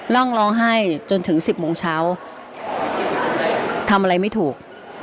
ร่องร้องไห้จนถึงสิบโมงเช้าทำอะไรไม่ถูก